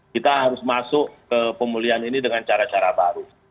kita harus masuk ke pemulihan ini dengan cara cara baru